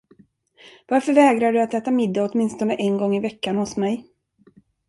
Varför vägrar du att äta middag åtminstone en gång i veckan hos mig?